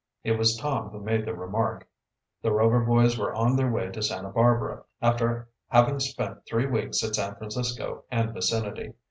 It was Tom who made the remark. The Rover boys were on their way to Santa Barbara, after having spent three weeks at San Francisco and vicinity.